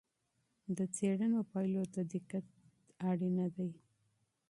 د څېړنې پایلو ته دقت ضروری دی.